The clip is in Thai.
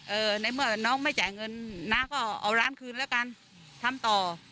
ในเมื่อน้องไม่จ่ายเงินน้าก็เอาร้านคืนแล้วกันทำต่อ